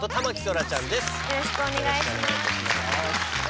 よろしくお願いします。